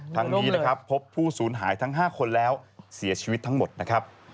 ทั้งนี้นะครับพบผู้สูญหายทั้ง๕คนแล้วเสียชีวิตทั้งหมดนะครับ